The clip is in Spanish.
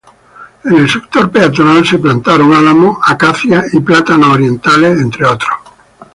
En el sector peatonal se plantaron álamos, acacias y plátanos orientales, entre otros.